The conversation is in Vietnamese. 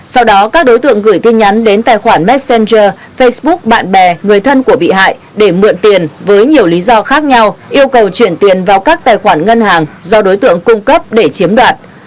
sau đó các đối tượng gửi tin nhắn đến tài khoản messenger facebook bạn bè người thân của bị hại để mượn tiền với nhiều lý do khác nhau yêu cầu chuyển tiền vào các tài khoản ngân hàng do đối tượng cung cấp để chiếm đoạt